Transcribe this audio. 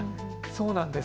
そうなんです。